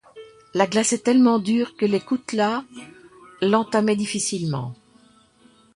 La glace était tellement dure que les coutelas l’entamaient difficilement.